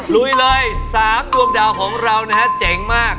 ลุยเลย๓ดวงดาวของเรานะฮะเจ๋งมาก